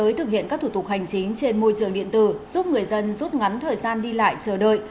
với thực hiện các thủ tục hành chính trên môi trường điện tử giúp người dân rút ngắn thời gian đi lại chờ đợi